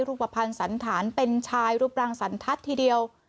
รูปภัณฑ์สันฐานเป็นชายรูปรังสันทัศน์ทีเดียว